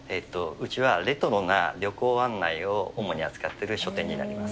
うちはレトロな旅行案内を主に扱ってる書店になります。